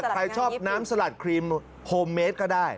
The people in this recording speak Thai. ถ่ายชอบน้ำสลัดครีมโฮมเมซ